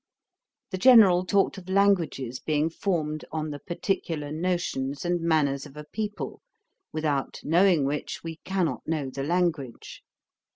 The General talked of languages being formed on the particular notions and manners of a people, without knowing which, we cannot know the language.